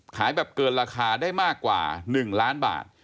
ขายแบบเกินราคาได้มากกว่า๑ล้านบาท